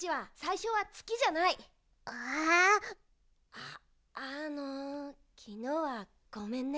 ああのきのうはごめんね。